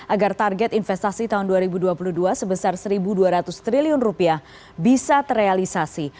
agar target investasi tahun dua ribu dua puluh dua sebesar rp satu dua ratus triliun rupiah bisa terrealisasi